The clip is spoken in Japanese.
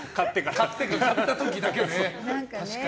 買った時だけね。